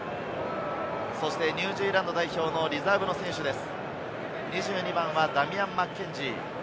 ニュージーランド代表のリザーブの選手です。